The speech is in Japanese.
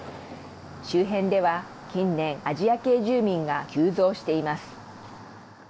周辺では近年アジア系住民が急増しています。